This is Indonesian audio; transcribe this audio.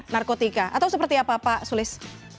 narkotika atau seperti apa pak sulis